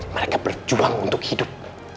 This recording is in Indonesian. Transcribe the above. mereka berjuang untuk hidup